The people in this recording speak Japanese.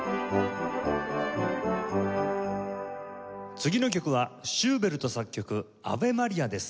次の曲はシューベルト作曲『アヴェ・マリア』です。